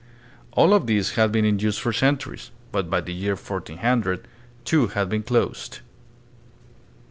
All of these had been in use for centuries, but by the year 1400 two had been closed.